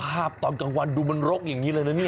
ตอนกลางวันดูมันรกอย่างนี้เลยนะเนี่ย